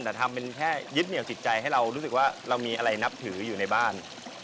แต่ทำเป็นแค่ยึดเหนี่ยวจิตใจให้เรารู้สึกว่าเรามีอะไรนับถืออยู่ในบ้าน